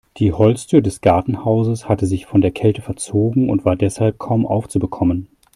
Die Holztür des Gartenhauses hatte sich von der Kälte verzogen und war deshalb kaum aufzubekommen.